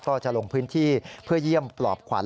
ก็จะลงพื้นที่เพื่อเยี่ยมปลอบขวัญ